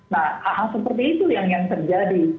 nah hal hal seperti itu yang terjadi